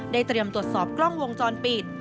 เตรียมตรวจสอบกล้องวงจรปิด